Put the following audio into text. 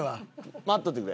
待っとってくれ。